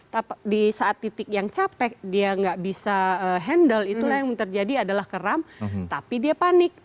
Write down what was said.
tapi di saat titik yang capek dia nggak bisa handle itulah yang terjadi adalah keram tapi dia panik